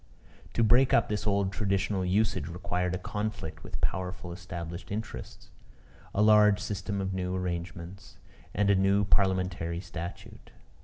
To break up this old traditional usage required a conflict with powerful established interests, a large system of new arrangements, and a new parliamentary statute.